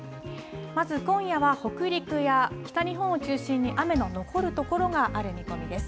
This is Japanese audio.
まず、今夜は北陸や北日本を中心に雨の残るところがある見込みです。